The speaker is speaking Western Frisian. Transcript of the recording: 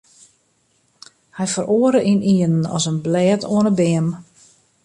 Hy feroare ynienen as in blêd oan 'e beam.